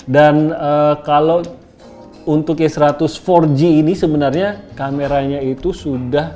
dan kalau untuk y seratus empat g ini sebenarnya kameranya itu sudah